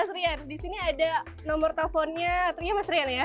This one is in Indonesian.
mas rian di sini ada nomor teleponnya rian mas rian ya